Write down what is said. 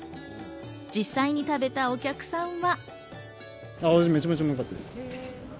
実際に食べたお客さんは。